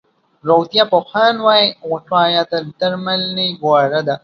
روغتيا پوهان وایي، وقایه تر درملنې غوره ده.